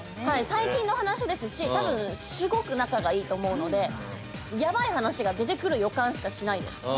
最近の話ですし多分すごく仲がいいと思うのでやばい話が出てくる予感しかしないです。